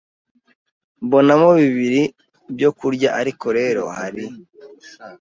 mbonamo bibiri byo kurya ariko rero hari